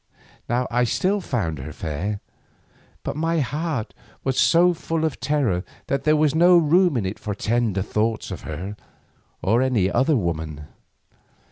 Now I still found her fair, but my heart was so full of terror that there was no room in it for tender thoughts of her or of any other woman.